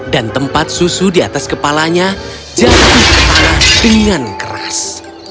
dan tempat susu di atas kepalanya jatuh ke tanah dengan keras